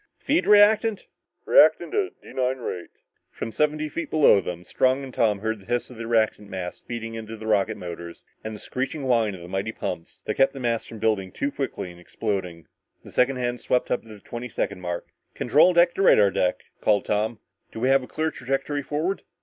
"Feed reactant!" "Reactant at D 9 rate." From seventy feet below them, Strong and Tom heard the hiss of the reactant mass feeding into the rocket motors, and the screeching whine of the mighty pumps that kept the mass from building too rapidly and exploding. The second hand swept up to the twenty second mark. "Control deck to radar deck," called Tom. "Do we have a clear trajectory forward?"